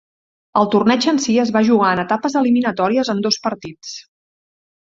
El torneig en si es va jugar en etapes eliminatòries en dos partits.